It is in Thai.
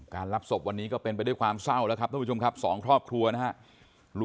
การรับศพวันนี้ก็เป็นไปด้วยความเศร้าแล้วครับท่านผู้ชมครับ๒ครอบครัวนะฮะมันไม่ใช่ว่าไม่ตั้งใจมันคือการวางแผนมาแล้ว